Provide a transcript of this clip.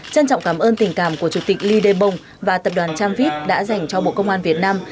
trân trọng cảm ơn tình cảm của chủ tịch ly đê bông và tập đoàn tramvit đã dành cho bộ công an việt nam